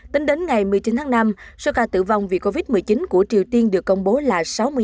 tính đến ngày một mươi chín tháng năm số ca tử vong vì covid một mươi chín của triều tiên được công bố là